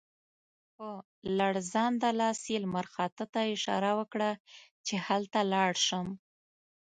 په لړزانده لاس یې لمر خاته ته اشاره وکړه چې هلته لاړ شم.